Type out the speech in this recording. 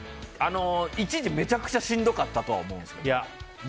一時、めちゃくちゃしんどかったと思うんですけど。